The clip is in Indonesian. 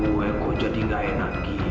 masa aku jadi tidak enak begini ya